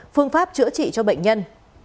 phương pháp chữa trị cho bệnh nhân